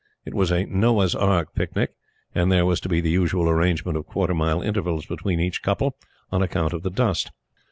It was a "Noah's Ark" picnic; and there was to be the usual arrangement of quarter mile intervals between each couple, on account of the dust.